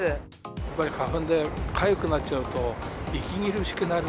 やっぱり花粉でかゆくなっちゃうと、息苦しくなる。